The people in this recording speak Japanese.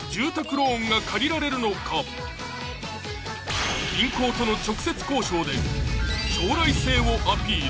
１位銀行との直接交渉で将来性をアピール！